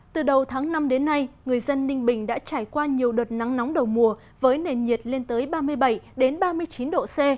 từ đầu tháng năm đến nay người dân ninh bình đã trải qua nhiều đợt nắng nóng đầu mùa với nền nhiệt lên tới ba mươi bảy ba mươi chín độ c